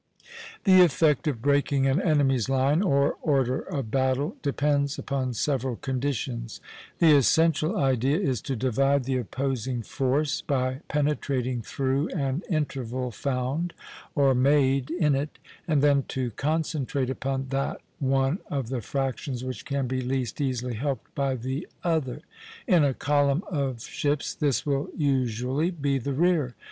The effect of breaking an enemy's line, or order of battle, depends upon several conditions. The essential idea is to divide the opposing force by penetrating through an interval found, or made, in it, and then to concentrate upon that one of the fractions which can be least easily helped by the other. In a column of ships this will usually be the rear.